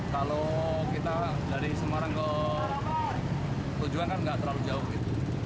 kalau kita dari semarang ke tujuan kan nggak terlalu jauh gitu